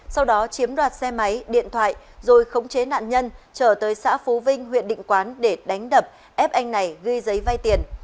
sau đó chiếm đoạt xe máy điện thoại rồi khống chế nạn nhân trở tới xã phú vinh huyện định quán để đánh đập ép anh này ghi giấy vay tiền